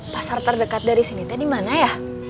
pasar terdekat dari sini teh dimana ya